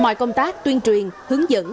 mọi công tác tuyên truyền hướng dẫn